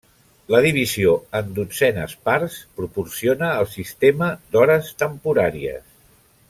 La divisió en dotzenes parts proporciona el sistema d'hores temporàries.